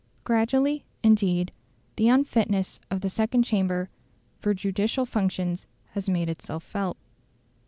Gradually, indeed, the unfitness of the second chamber for judicial functions has made itself felt.